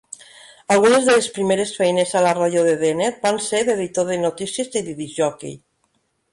Algunes de les primeres feines a la ràdio de Dehner van ser d'editor de notícies i de discjòquei.